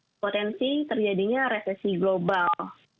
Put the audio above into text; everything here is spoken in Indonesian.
ya potensi terjadinya resesi global